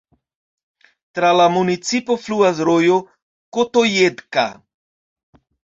Tra la municipo fluas rojo Kotojedka.